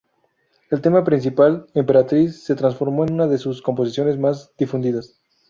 El tema principal "Emperatriz", se transformó en una de sus composiciones más difundidas.